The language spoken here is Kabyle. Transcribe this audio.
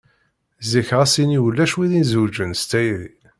Zik ɣas ini ulac wid izewwǧen s tayri.